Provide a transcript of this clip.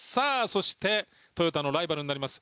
そしてトヨタのライバルになります